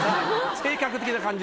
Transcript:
性格的な感じが。